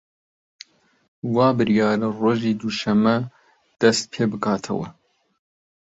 وا بریارە ڕۆژی دووشەممە دەست پێ بکاتەوە